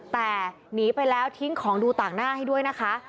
แต่หนีไปแล้วทิ้งของดูต่างหน้าให้ด้วยนะคะ